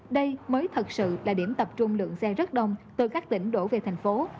đây mới thật sự là điểm tập trung lượng xe rất đông từ các tỉnh đổ về thành phố